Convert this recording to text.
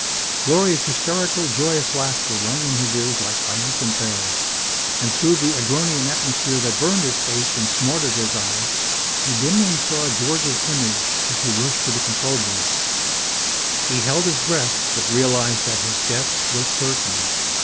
Gloria's hysterical, joyous laughter rang in his ears like triumphant bells, and through the Agronian atmosphere that burned his face and smarted his eyes he dimly saw George's image as he rushed to the control board. He held his breath but realized that his death was certain.